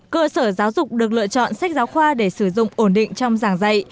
cơ sở giáo dục được lựa chọn sách giáo khoa để sử dụng ổn định trong giảng dạy